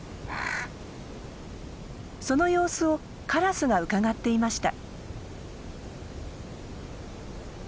その様子をカラスがうかがっていました。